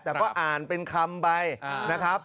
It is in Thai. แต่ก็อ่านเป็นคำไปนะครับ